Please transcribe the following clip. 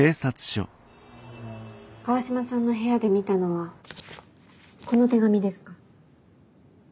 川島さんの部屋で見たのはこの手紙ですか？